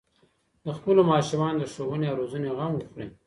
د خپلو ماشومانو د ښوونې او روزنې غم وخورئ.